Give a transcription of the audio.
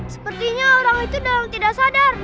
sepertinya orang itu memang tidak sadar